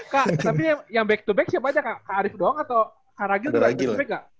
kak tapi yang back to back siapa aja kak arief doang atau haragil juga